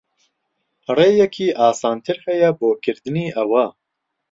ڕێیەکی ئاسانتر ھەیە بۆ کردنی ئەوە.